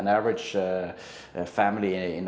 untuk pendidikan sekolah anak anak anda